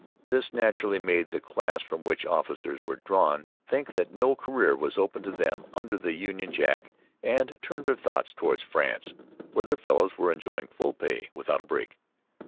This naturally made the class from which officers were drawn think that no career was open to them under the Union Jack and turned their thoughts towards France, where their fellows were enjoying full pay without a break.